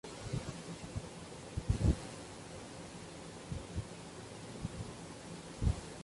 Los condados emergentes fueron Nassau-Saarbrücken, Nassau-Ottweiler y Nassau-Usingen.